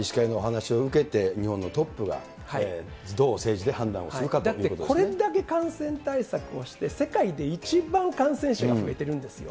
医師会のお話を受けて、日本のトップがどう政治で判断をするかとだって、これだけ感染対策をして、世界で一番感染者が増えているんですよ。